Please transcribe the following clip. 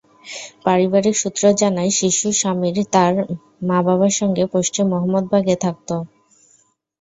পারিবারিক সূত্র জানায়, শিশু সামীর তার মা-বাবার সঙ্গে পশ্চিম মোহাম্মদবাগে থাকত।